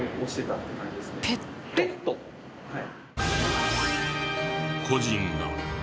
はい。